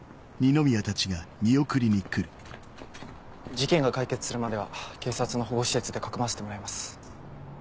事件が解決するまでは警察の保護施設でかくまわせてもらいます。